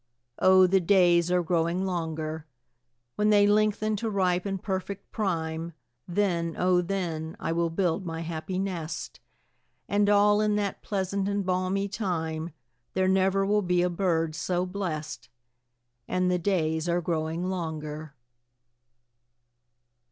Oh, the days are growing longer; When they lengthen to ripe and perfect prime, Then, oh, then, I will build my happy nest; And all in that pleasant and balmy time, There never will be a bird so blest; And the days are growing longer.